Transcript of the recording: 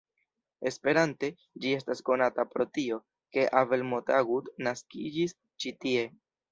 Esperante, ĝi estas konata pro tio, ke Abel Montagut naskiĝis ĉi tie.